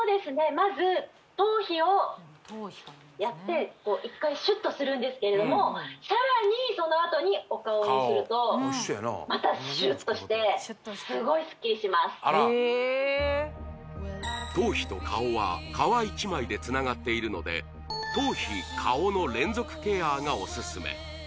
まず頭皮をやって一回シュッとするんですけれどもさらにそのあとにお顔にするとまたシュッとしてすごいスッキリしますあらへえので頭皮顔の連続ケアがオススメ